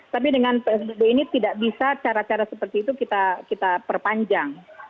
tapi dengan psbb ini tidak bisa cara cara seperti itu kita perpanjang